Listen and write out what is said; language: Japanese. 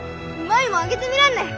舞もあげてみらんね。